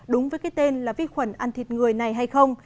đúng với cái tên là vi khuẩn